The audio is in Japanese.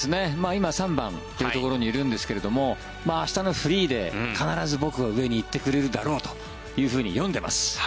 今、３番というところにいるんですけれども明日のフリーで、必ず僕は上に行ってくれるだろうと読んでいます。